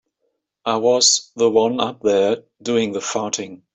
I was the one up there doing the farting.